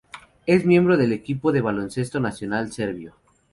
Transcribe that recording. Es miembro del equipo de baloncesto nacional Serbio.